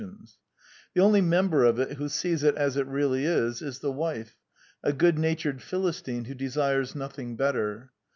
The Anti Idealist Plays 109 The only member of it who sees it as it really is is the wife, a good natured Philistine who desires nothing better.